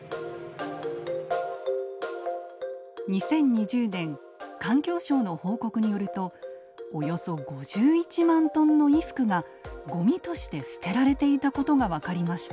２０２０年環境省の報告によるとおよそ５１万トンの衣服がごみとして捨てられていたことが分かりました。